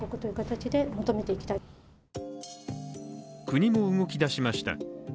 国も動きだしました。